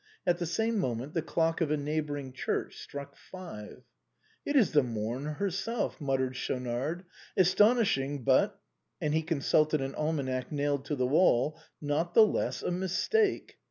At the same moment the clock of a neighboring church struck five. " It is the Morn herself !" muttered Schaunard ;" as tonishing, but" — and he consulted an almanac nailed to the wall —" not the less a mistake.